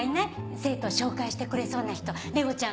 生徒紹介してくれそうな人玲緒ちゃん